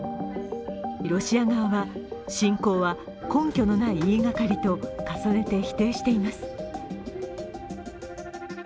ロシア側は、侵攻は根拠のない言いがかりと重ねて否定しています。